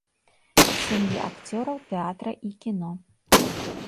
З сям'і акцёраў тэатра і кіно.